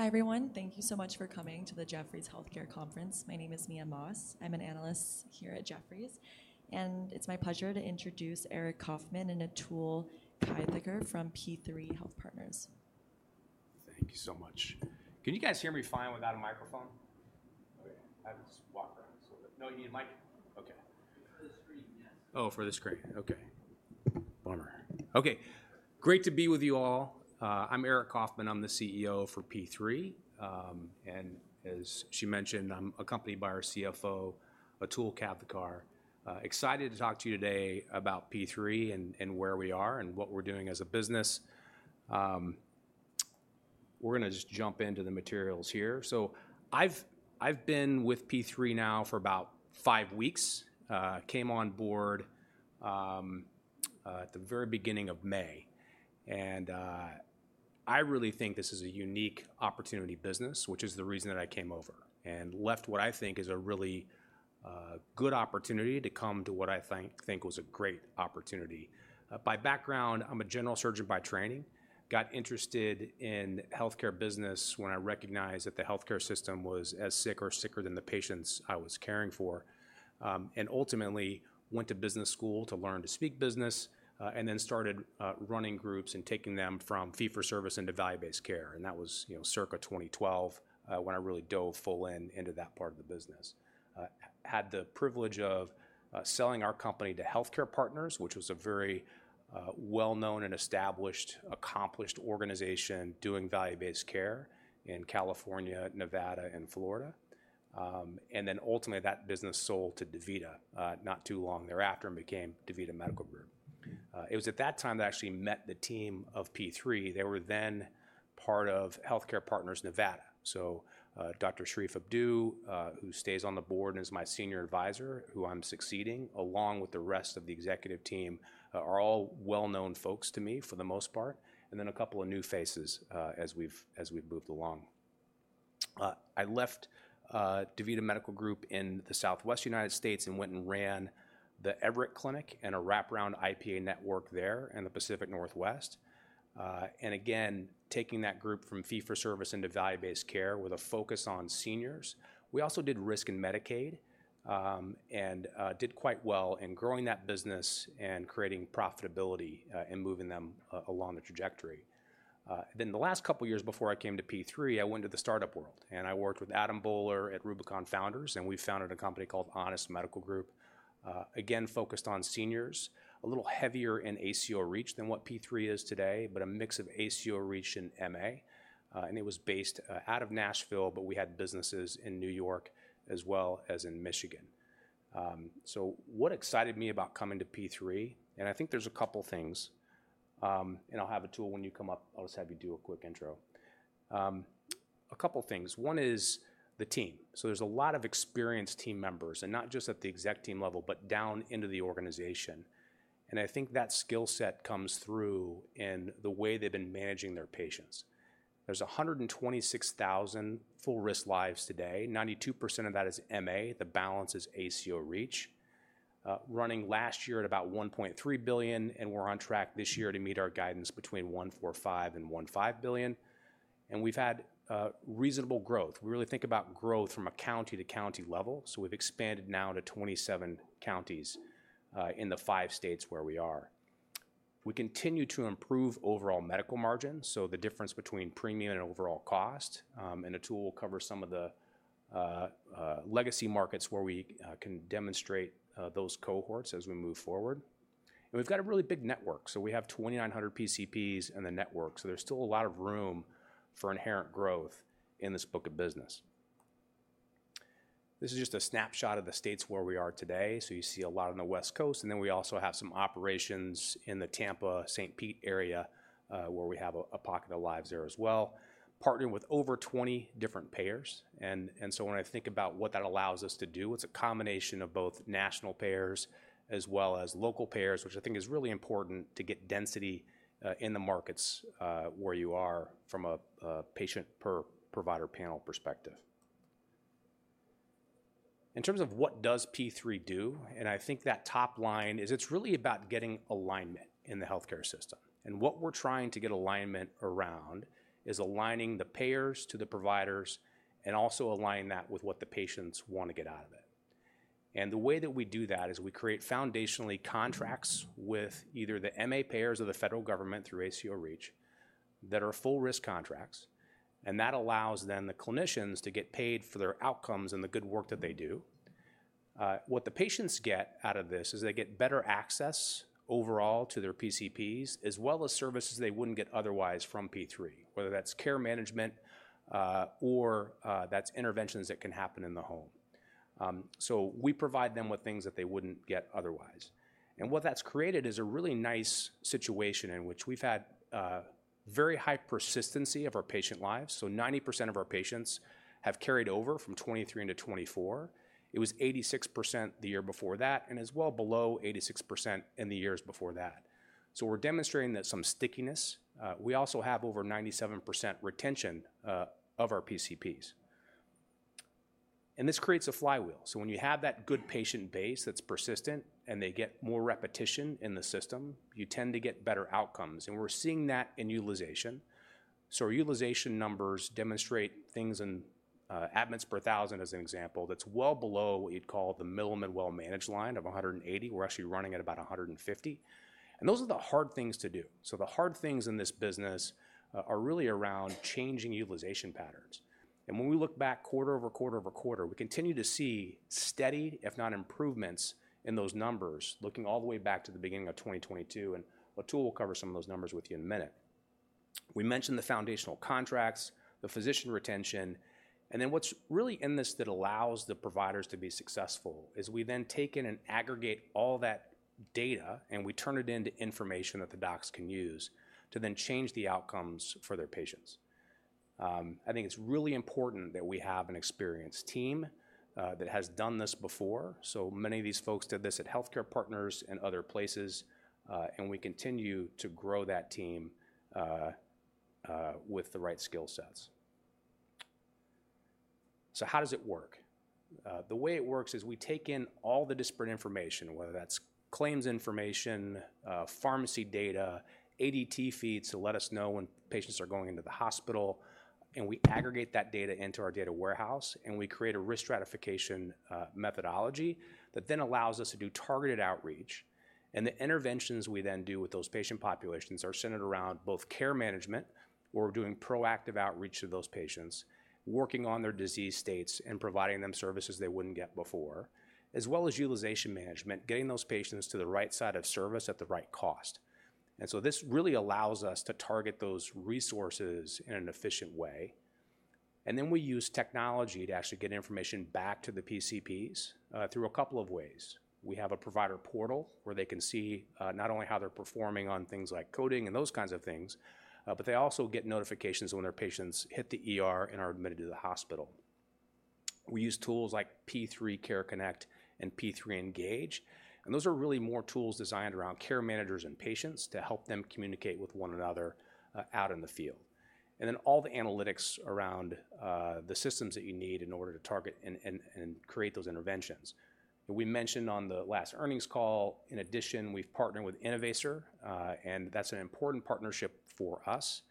Hi, everyone. Thank you so much for coming to the Jefferies Healthcare Conference. My name is Mia Moss. I'm an analyst here at Jefferies, and it's my pleasure to introduce Aric Coffman and Atul Kavthekar from P3 Health Partners. Thank you so much. Can you guys hear me fine without a microphone? Okay. I have to just walk around a little bit. No, you need a mic? Okay. For the screen, yes. Great to be with you all. I'm Aric Coffman. I'm the CEO for P3. And as she mentioned, I'm accompanied by our CFO, Atul Kavthekar. Excited to talk to you today about P3 and where we are and what we're doing as a business. We're going to just jump into the materials here. So I've been with P3 now for about five weeks. Came on board at the very beginning of May. And I really think this is a unique opportunity business, which is the reason that I came over and left what I think is a really good opportunity to come to what I think was a great opportunity. By background, I'm a general surgeon by training. Got interested in the healthcare business when I recognized that the healthcare system was as sick or sicker than the patients I was caring for. And ultimately, went to business school to learn to speak business, and then started running groups and taking them from fee-for-service into value-based care. And that was circa 2012 when I really dove full in into that part of the business. Had the privilege of selling our company to Healthcare Partners, which was a very well-known and established, accomplished organization doing value-based care in California, Nevada, and Florida. And then ultimately, that business sold to DaVita not too long thereafter and became DaVita Medical Group. It was at that time that I actually met the team of P3. They were then part of Healthcare Partners Nevada. So Dr. Sherif Abdou, who stays on the board and is my senior advisor, who I'm succeeding along with the rest of the executive team, are all well-known folks to me for the most part, and then a couple of new faces as we've moved along. I left DaVita Medical Group in the Southwest United States and went and ran the Everett Clinic and a wraparound IPA network there in the Pacific Northwest. And again, taking that group from fee-for-service into value-based care with a focus on seniors. We also did risk and Medicaid and did quite well in growing that business and creating profitability and moving them along the trajectory. Then the last couple of years before I came to P3, I went into the startup world and I worked with Adam Boehler at Rubicon Founders, and we founded a company called Honest Medical Group, again focused on seniors, a little heavier in ACO REACH than what P3 is today, but a mix of ACO REACH and MA. And it was based out of Nashville, but we had businesses in New York as well as in Michigan. So what excited me about coming to P3? And I think there's a couple of things. And I'll have Atul when you come up. I'll just have you do a quick intro. A couple of things. One is the team. So there's a lot of experienced team members, and not just at the exec team level, but down into the organization. I think that skill set comes through in the way they've been managing their patients. There's 126,000 full-risk lives today. 92% of that is MA. The balance is ACO REACH. Running last year at about $1.3 billion, and we're on track this year to meet our guidance between $1.45 billion and $1.5 billion. We've had reasonable growth. We really think about growth from a county-to-county level. We've expanded now to 27 counties in the five states where we are. We continue to improve overall medical margins, so the difference between premium and overall cost. Atul will cover some of the legacy markets where we can demonstrate those cohorts as we move forward. We've got a really big network. We have 2,900 PCPs in the network. There's still a lot of room for inherent growth in this book of business. This is just a snapshot of the states where we are today. So you see a lot on the West Coast. And then we also have some operations in the Tampa/St. Pete area where we have a pocket of lives there as well, partnered with over 20 different payers. And so when I think about what that allows us to do, it's a combination of both national payers as well as local payers, which I think is really important to get density in the markets where you are from a patient-per-provider panel perspective. In terms of what does P3 do, and I think that top line is it's really about getting alignment in the healthcare system. And what we're trying to get alignment around is aligning the payers to the providers and also aligning that with what the patients want to get out of it. The way that we do that is we create foundationally contracts with either the MA payers or the federal government through ACO REACH that are full-risk contracts. And that allows then the clinicians to get paid for their outcomes and the good work that they do. What the patients get out of this is they get better access overall to their PCPs as well as services they wouldn't get otherwise from P3, whether that's care management or that's interventions that can happen in the home. So we provide them with things that they wouldn't get otherwise. And what that's created is a really nice situation in which we've had very high persistency of our patient lives. So 90% of our patients have carried over from 2023 into 2024. It was 86% the year before that and was well below 86% in the years before that. So we're demonstrating that some stickiness. We also have over 97% retention of our PCPs. And this creates a flywheel. So when you have that good patient base that's persistent and they get more repetition in the system, you tend to get better outcomes. And we're seeing that in utilization. So our utilization numbers demonstrate things in admissions per thousand as an example that's well below what you'd call the middle of a well-managed line of 180. We're actually running at about 150. And those are the hard things to do. So the hard things in this business are really around changing utilization patterns. And when we look back quarter-over-quarter, we continue to see steady, if not improvements in those numbers looking all the way back to the beginning of 2022. And Atul will cover some of those numbers with you in a minute. We mentioned the foundational contracts, the physician retention, and then what's really in this that allows the providers to be successful is we then take in and aggregate all that data and we turn it into information that the docs can use to then change the outcomes for their patients. I think it's really important that we have an experienced team that has done this before. So many of these folks did this at Healthcare Partners and other places, and we continue to grow that team with the right skill sets. So how does it work? The way it works is we take in all the disparate information, whether that's claims information, pharmacy data, ADT feeds to let us know when patients are going into the hospital, and we aggregate that data into our data warehouse, and we create a risk stratification methodology that then allows us to do targeted outreach. The interventions we then do with those patient populations are centered around both care management, where we're doing proactive outreach to those patients, working on their disease states and providing them services they wouldn't get before, as well as utilization management, getting those patients to the right side of service at the right cost. So this really allows us to target those resources in an efficient way. Then we use technology to actually get information back to the PCPs through a couple of ways. We have a provider portal where they can see not only how they're performing on things like coding and those kinds of things, but they also get notifications when their patients hit the ED and are admitted to the hospital. We use tools like P3 Care Connect and P3 Engage. Those are really more tools designed around care managers and patients to help them communicate with one another out in the field. Then all the analytics around the systems that you need in order to target and create those interventions. We mentioned on the last earnings call, in addition, we've partnered with Innovaccer, and that's an important partnership for us,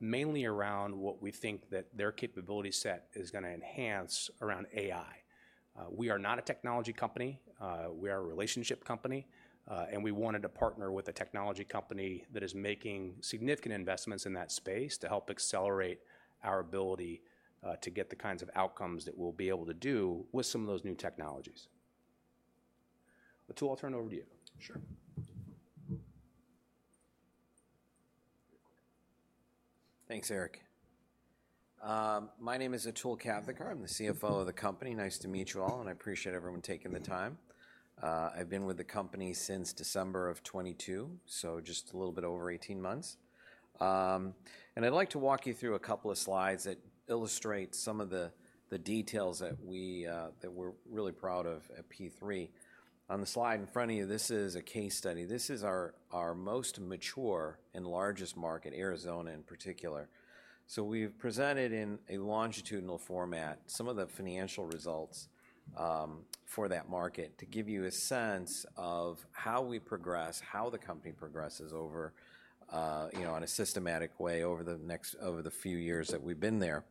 mainly around what we think that their capability set is going to enhance around AI. We are not a technology company. We are a relationship company. And we wanted to partner with a technology company that is making significant investments in that space to help accelerate our ability to get the kinds of outcomes that we'll be able to do with some of those new technologies. Atul, I'll turn it over to you. Sure. Thanks, Aric. My name is Atul Kavthekar. I'm the CFO of the company. Nice to meet you all, and I appreciate everyone taking the time. I've been with the company since December of 2022, so just a little bit over 18 months. And I'd like to walk you through a couple of slides that illustrate some of the details that we're really proud of at P3. On the slide in front of you, this is a case study. This is our most mature and largest market, Arizona in particular. So we've presented in a longitudinal format some of the financial results for that market to give you a sense of how we progress, how the company progresses over in a systematic way over the few years that we've been there.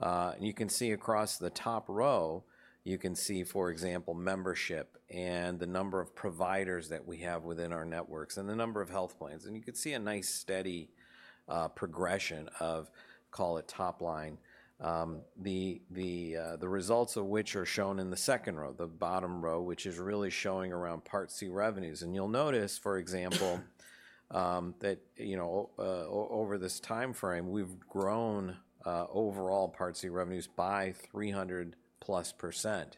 And you can see across the top row, you can see, for example, membership and the number of providers that we have within our networks and the number of health plans. And you can see a nice steady progression of, call it top line, the results of which are shown in the second row, the bottom row, which is really showing around Part C revenues. And you'll notice, for example, that over this timeframe, we've grown overall Part C revenues by 300%+.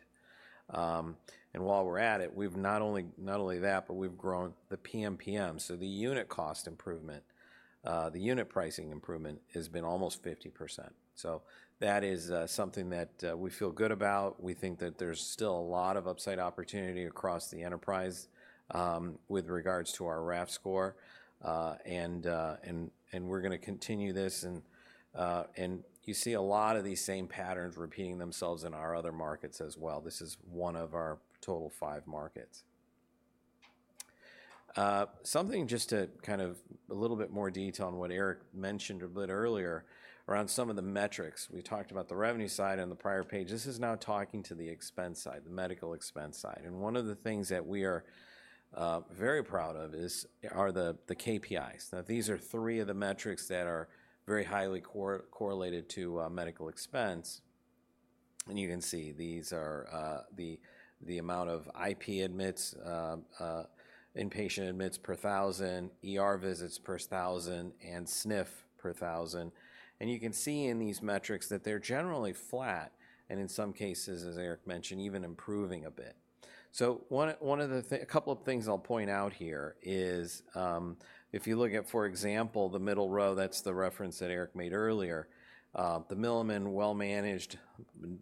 And while we're at it, not only that, but we've grown the PMPM, so the unit cost improvement, the unit pricing improvement has been almost 50%. So that is something that we feel good about. We think that there's still a lot of upside opportunity across the enterprise with regards to our RAF score. And we're going to continue this. And you see a lot of these same patterns repeating themselves in our other markets as well. This is one of our total five markets. Something just to kind of a little bit more detail on what Aric mentioned a bit earlier around some of the metrics. We talked about the revenue side on the prior page. This is now talking to the expense side, the medical expense side. And one of the things that we are very proud of are the KPIs. Now, these are three of the metrics that are very highly correlated to medical expense. You can see these are the amount of IP admits, inpatient admits per thousand, visits per thousand, and SNF per thousand. You can see in these metrics that they're generally flat and in some cases, as Aric mentioned, even improving a bit. So a couple of things I'll point out here is if you look at, for example, the middle row, that's the reference that Aric made earlier, the middle of mid-well managed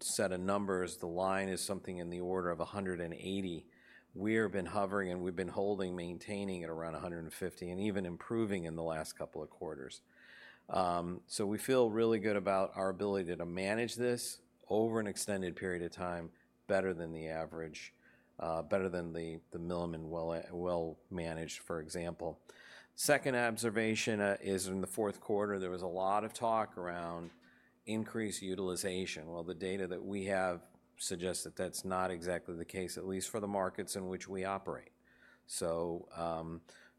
set of numbers, the line is something in the order of 180. We have been hovering and we've been holding, maintaining at around 150 and even improving in the last couple of quarters. So we feel really good about our ability to manage this over an extended period of time better than the average, better than the middle of mid-well managed, for example. Second observation is in the fourth quarter, there was a lot of talk around increased utilization. Well, the data that we have suggests that that's not exactly the case, at least for the markets in which we operate. So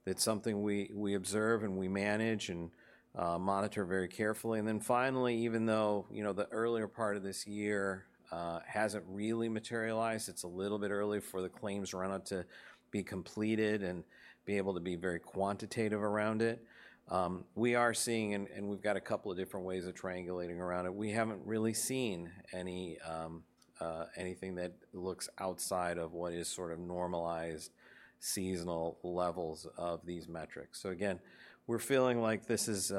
that's something we observe and we manage and monitor very carefully. And then finally, even though the earlier part of this year hasn't really materialized, it's a little bit early for the claims run-up to be completed and be able to be very quantitative around it. We are seeing, and we've got a couple of different ways of triangulating around it. We haven't really seen anything that looks outside of what is sort of normalized seasonal levels of these metrics. So again, we're feeling like this is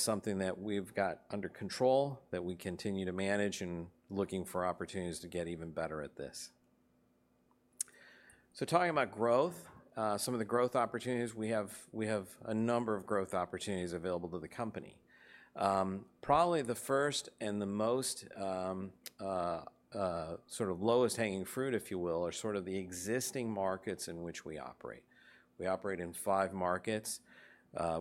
something that we've got under control that we continue to manage and looking for opportunities to get even better at this. So talking about growth, some of the growth opportunities, we have a number of growth opportunities available to the company. Probably the first and the most sort of lowest hanging fruit, if you will, are sort of the existing markets in which we operate. We operate in five markets.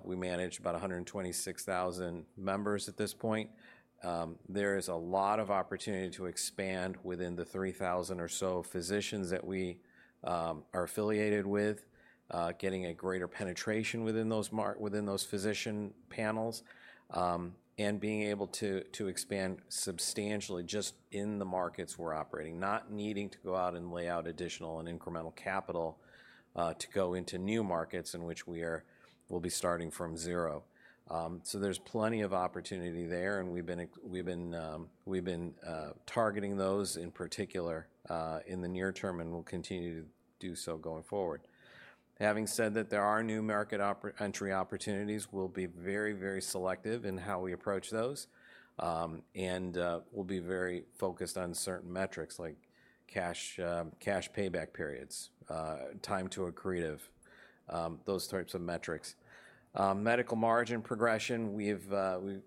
We manage about 126,000 members at this point. There is a lot of opportunity to expand within the 3,000 or so physicians that we are affiliated with, getting a greater penetration within those physician panels and being able to expand substantially just in the markets we're operating, not needing to go out and lay out additional and incremental capital to go into new markets in which we will be starting from zero. So there's plenty of opportunity there, and we've been targeting those in particular in the near term and will continue to do so going forward. Having said that, there are new market entry opportunities. We'll be very, very selective in how we approach those and will be very focused on certain metrics like cash payback periods, time to accretive, those types of metrics. Medical margin progression, we've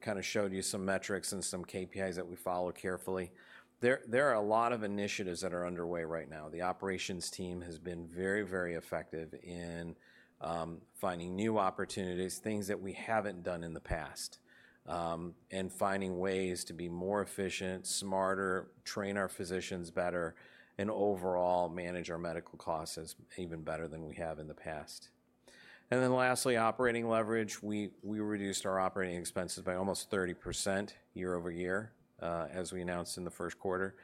kind of showed you some metrics and some KPIs that we follow carefully. There are a lot of initiatives that are underway right now. The operations team has been very, very effective in finding new opportunities, things that we haven't done in the past, and finding ways to be more efficient, smarter, train our physicians better, and overall manage our medical costs even better than we have in the past. And then lastly, operating leverage, we reduced our operating expenses by almost 30% year-over-year as we announced in the first quarter.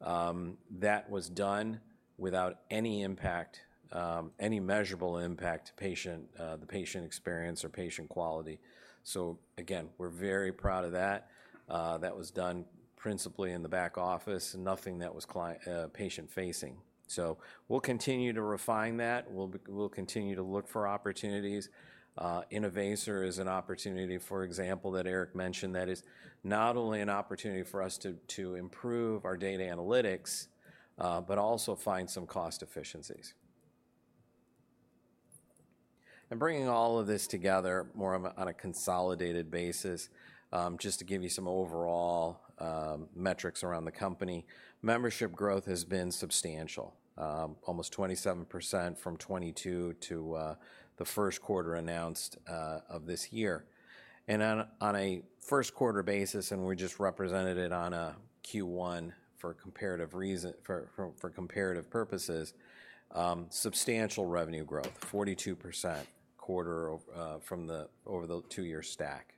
That was done without any impact, any measurable impact to the patient experience or patient quality. So again, we're very proud of that. That was done principally in the back office and nothing that was patient-facing. So we'll continue to refine that. We'll continue to look for opportunities. Innovaccer is an opportunity, for example, that Eric mentioned that is not only an opportunity for us to improve our data analytics, but also find some cost efficiencies. And bringing all of this together more on a consolidated basis, just to give you some overall metrics around the company, membership growth has been substantial, almost 27% from 2022 to the first quarter announced of this year. And on a first quarter basis, and we just represented it on a Q1 for comparative purposes, substantial revenue growth, 42% quarter over the two-year stack.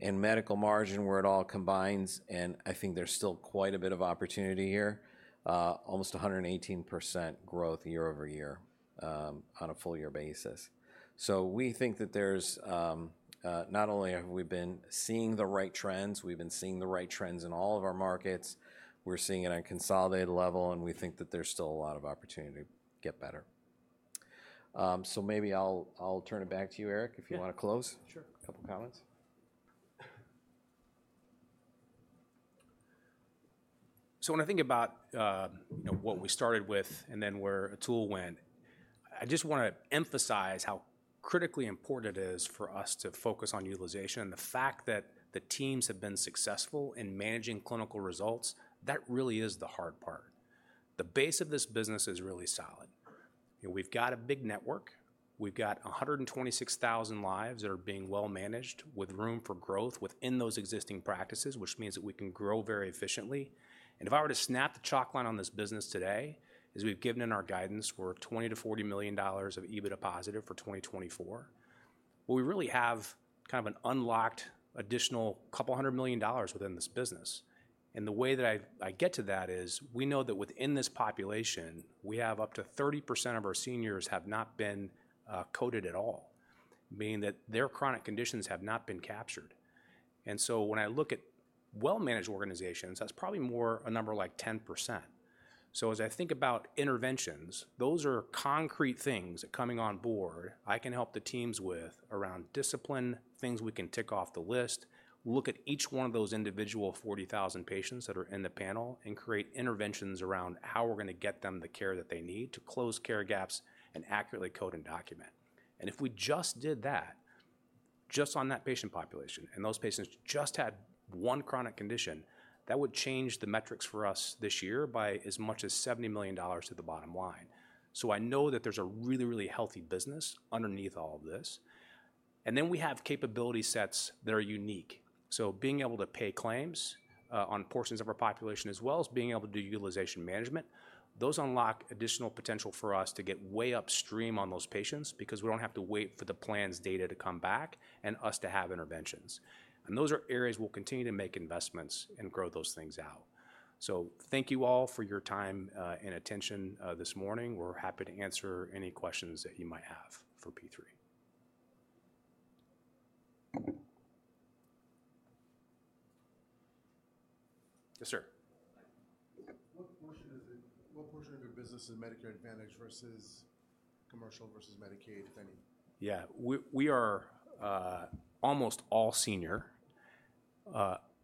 Medical margin where it all combines, and I think there's still quite a bit of opportunity here, almost 118% growth year over year on a full-year basis. So we think that there's not only have we been seeing the right trends, we've been seeing the right trends in all of our markets. We're seeing it on a consolidated level, and we think that there's still a lot of opportunity to get better. So maybe I'll turn it back to you, Aric, if you want to close a couple of comments. So when I think about what we started with and then where Atul went, I just want to emphasize how critically important it is for us to focus on utilization and the fact that the teams have been successful in managing clinical results. That really is the hard part. The base of this business is really solid. We've got a big network. We've got 126,000 lives that are being well managed with room for growth within those existing practices, which means that we can grow very efficiently. And if I were to snap the chalk line on this business today, as we've given in our guidance, we're $20 million-$40 million of EBITDA positive for 2024. Well, we really have kind of an unlocked additional $200 million within this business. The way that I get to that is we know that within this population, we have up to 30% of our seniors have not been coded at all, meaning that their chronic conditions have not been captured. When I look at well-managed organizations, that's probably more a number like 10%. As I think about interventions, those are concrete things coming on board I can help the teams with around discipline, things we can tick off the list, look at each one of those individual 40,000 patients that are in the panel and create interventions around how we're going to get them the care that they need to close care gaps and accurately code and document. And if we just did that just on that patient population and those patients just had one chronic condition, that would change the metrics for us this year by as much as $70 million to the bottom line. So I know that there's a really, really healthy business underneath all of this. And then we have capability sets that are unique. So being able to pay claims on portions of our population as well as being able to do utilization management, those unlock additional potential for us to get way upstream on those patients because we don't have to wait for the plans data to come back and us to have interventions. And those are areas we'll continue to make investments and grow those things out. So thank you all for your time and attention this morning. We're happy to answer any questions that you might have for P3. Yes, sir. What portion of your business is Medicare Advantage versus commercial versus Medicaid, if any? Yeah, we are almost all senior.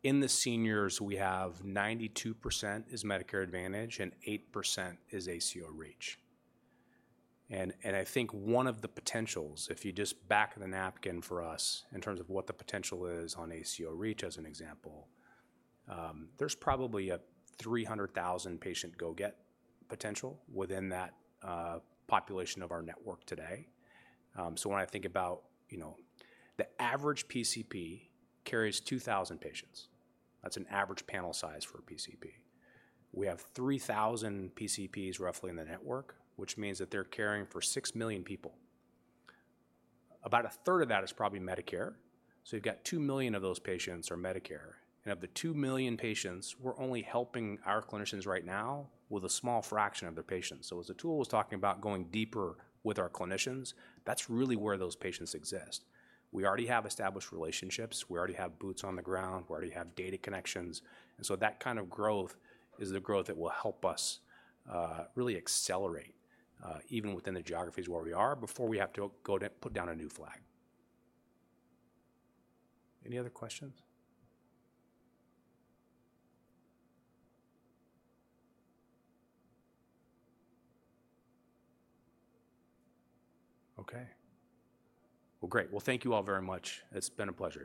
In the seniors, we have 92% is Medicare Advantage and 8% is ACO REACH. And I think one of the potentials, if you just back the napkin for us in terms of what the potential is on ACO REACH as an example, there's probably a 300,000 patient go-get potential within that population of our network today. So when I think about the average PCP carries 2,000 patients. That's an average panel size for a PCP. We have 3,000 PCPs roughly in the network, which means that they're caring for 6 million people. About a third of that is probably Medicare. So you've got 2 million of those patients are Medicare. And of the 2 million patients, we're only helping our clinicians right now with a small fraction of their patients. As Atul was talking about going deeper with our clinicians, that's really where those patients exist. We already have established relationships. We already have boots on the ground. We already have data connections. And so that kind of growth is the growth that will help us really accelerate even within the geographies where we are before we have to go put down a new flag. Any other questions? Okay. Well, great. Well, thank you all very much. It's been a pleasure.